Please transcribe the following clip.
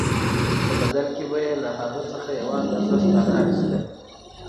په بدل کې به یې له هغه یوه اندازه سکاره اخیستل